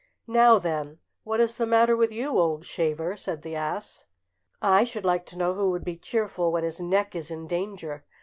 "Now then, what is the matter with you, old shaver?" said the ass. "I should like to know who would be cheerful when his neck is in danger?"